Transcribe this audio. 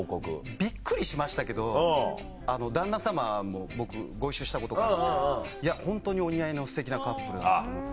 びっくりしましたけど旦那様も僕ご一緒したことがあるんでいやホントにお似合いのすてきなカップルだなと思って。